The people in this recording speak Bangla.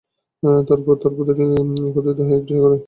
তারপর তার প্রতি পাঁচটি গিয়ে একত্রিত হয় একটি সাগরে।